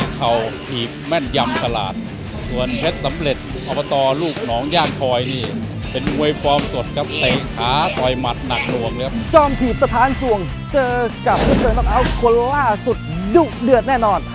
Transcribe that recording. ธรรคมวยดีดูพลีได้ไม่มีการทดลัง